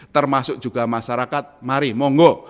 termasuk juga masyarakat mari mongo